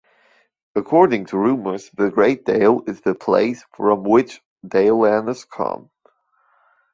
According to rumors, The Great Dale is the place from which Dalelanders come.